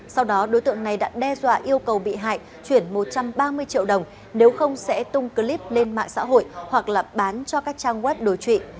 sau đó đối tượng này đã đe dọa yêu cầu bị hại chuyển một trăm ba mươi triệu đồng nếu không sẽ tung clip lên mạng xã hội hoặc là bán cho các trang web đối trị